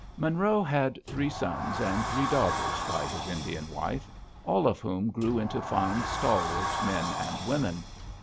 Monroe had three sons and three daughters by his Indian wife, all of whom grew into fine, stalwart men and women.